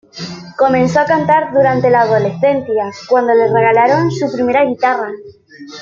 Comenzó a cantar durante la adolescencia, cuando le regalaron su primera guitarra.